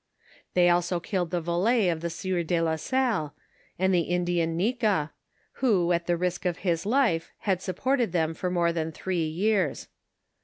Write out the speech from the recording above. They also killed the valet of the sieur de la Salle, and the Indian Nika, who, at the risk of his life, had supported them for more than three yeare.